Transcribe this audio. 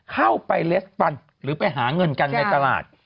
เข้าไปเลสปันหรือไปหาเงินกันในตลาด